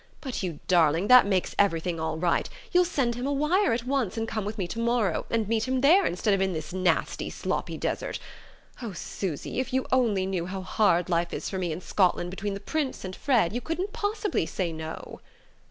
But, you darling, that makes everything all right. You'll send him a wire at once, and come with me to morrow, and meet him there instead of in this nasty sloppy desert.... Oh, Susy, if you knew how hard life is for me in Scotland between the Prince and Fred you couldn't possibly say no!"